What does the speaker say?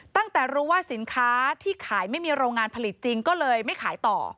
ตั้งแต่รู้ว่าสินค้าที่ขายไม่มีโรงงานผลิตจริงก็เลยไม่ขายต่อ